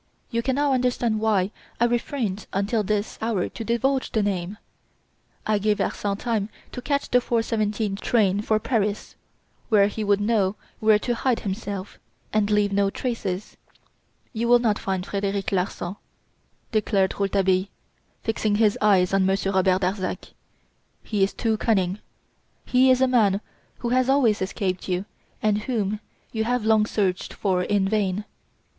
You can now understand why I refrained until this hour to divulge the name. I gave Larsan time to catch the 4:17 train for Paris, where he would know where to hide himself, and leave no traces. You will not find Frederic Larsan," declared Rouletabille, fixing his eyes on Monsieur Robert Darzac. "He is too cunning. He is a man who has always escaped you and whom you have long searched for in vain.